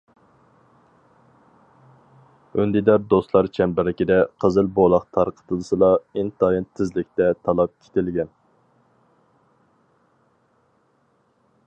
ئۈندىدار دوستلار چەمبىرىكىدە، قىزىل بولاق تارقىتىلسىلا ئىنتايىن تېزلىكتە تالاپ كېتىلگەن.